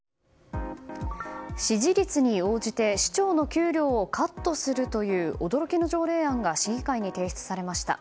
支持率に応じて市長の給料をカットするという驚きの条例案が市議会に提出されました。